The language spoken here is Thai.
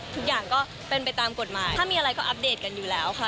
ทุกอย่างก็เป็นไปตามกฎหมายถ้ามีอะไรก็อัปเดตกันอยู่แล้วค่ะ